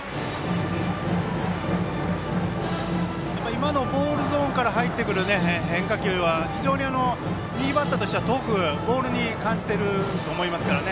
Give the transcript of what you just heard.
今のボールゾーンから入ってくる変化球は非常に右バッターとしては遠く、ボールに感じてると思いますからね。